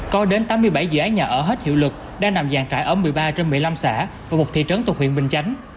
có đến tám mươi bảy dự án nhà ở hết hiệu lực đang nằm dàn trại ấm một mươi ba trên một mươi năm xã và một thị trấn tục huyện bình chánh